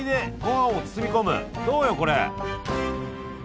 どうよこれ！